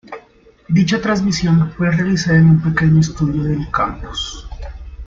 Dicha transmisión fue realizada en un pequeño estudio del campus.